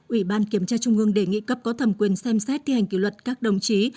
ủy ban kiểm tra trung ương đề nghị cấp có thẩm quyền xem xét thi hành kỷ luật các đồng chí